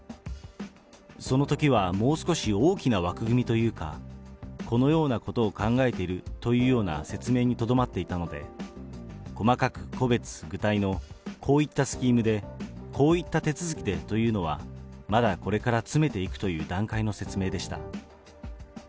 そのときはもう少し大きな枠組みというか、このようなことを考えているというような説明にとどまっていたので、細かく個別具体の、こういったスキームで、こういった手続きでというのは、まだこれから詰めていくという段階の説明でした。